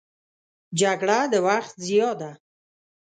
جګړه د وخت ضیاع ده